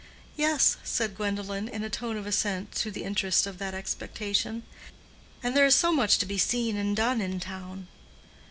"Yes," said Gwendolen, in a tone of assent to the interest of that expectation. "And there is so much to be seen and done in town."